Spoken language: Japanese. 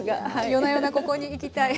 夜な夜なここに行きたい。